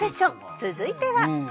続いては」